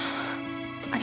ああ。